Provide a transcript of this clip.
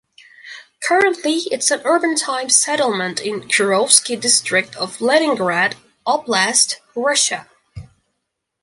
Currently it is an urban-type settlement in Kirovsky District of Leningrad Oblast, Russia.